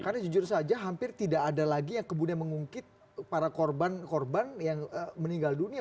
karena jujur saja hampir tidak ada lagi yang kemudian mengungkit para korban korban yang meninggal dunia